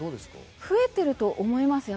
増えていると思います。